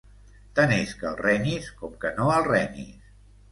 Tant és que el renyis com que no el renyis.